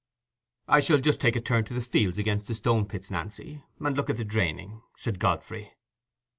"I shall just take a turn to the fields against the Stone pits, Nancy, and look at the draining," said Godfrey.